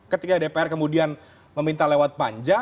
ketika dpr kemudian meminta lewat panja